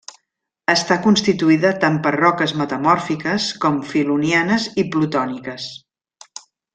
Està constituïda tant per roques metamòrfiques com filonianes i plutòniques.